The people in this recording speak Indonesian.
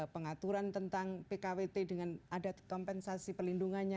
pengaturan tentang pkwt dengan ada kompensasi pelindungannya